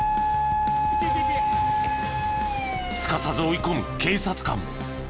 すかさず追い込む警察官。